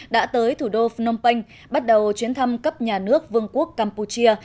đã tới thủ đô phnom penh bắt đầu chuyến thăm cấp nhà nước vương quốc campuchia